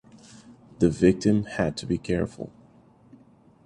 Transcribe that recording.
The victim had to be careful.